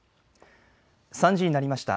３時になりました。